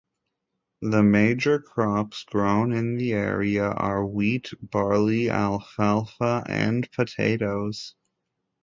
The major crops grown in the area are wheat, barley, alfalfa, and potatoes.